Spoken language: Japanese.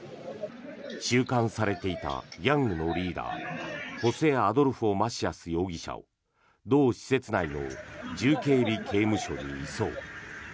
収監されていたギャングのリーダーホセ・アドルフォ・マシアス容疑者を同施設内の重警備刑務所に移送。